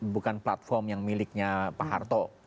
bukan platform yang miliknya pak harto